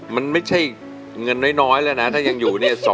มันไม่ใช่เงินน้อยแล้วนะถ้ายังอยู่เนี่ย